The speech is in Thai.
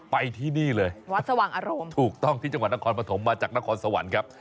ไปที่นี่เลยวัดสว่างอารมณ์ถูกต้องที่จังหวัดนครปฐมมาจากนครสวรรค์ครับ